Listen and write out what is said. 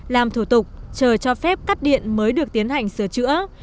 làm thủ tục chờ cho phép cắt điện mới được tiến hành sửa chữa